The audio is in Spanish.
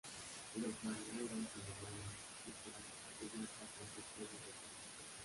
Los marineros alemanes izan a cubierta a cuantos pueden recoger.